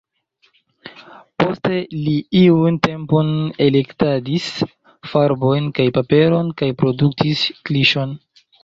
Poste li iun tempon elektadis farbojn kaj paperon kaj produktis kliŝon.